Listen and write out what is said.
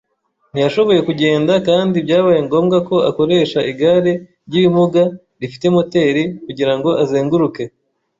ntiyashoboye kugenda kandi byabaye ngombwa ko akoresha igare ry’ibimuga rifite moteri kugira ngo azenguruke.